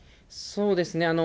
そうですね。